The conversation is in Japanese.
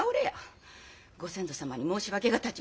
御先祖様に申し訳が立ちません！